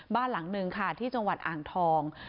บ้านหลังหนึ่งค่ะที่จังหวัดอ่างทอง